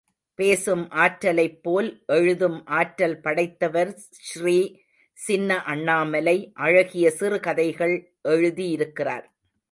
பேசும் ஆற்றலைப்போல் எழுதும் ஆற்றல் படைத்தவர் ஸ்ரீ சின்ன அண்ணாமலை, அழகிய சிறு கதைகள் எழுதியிருக்கிறார்.